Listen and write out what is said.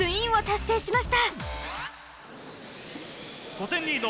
５点リード